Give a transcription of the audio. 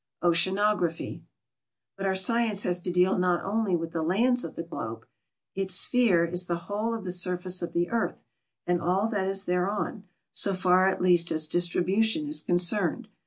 OCEANOGRAPHY But our science has to deal not only with the lands of the globe ; its sphere is the whole of the surface of the eartli and all that is thereon, so far at least as distribution is concerne<l.